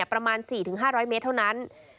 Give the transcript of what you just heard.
ประมาณ๔๕๐๐เมตรเท่านั้น